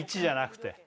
１じゃなくて？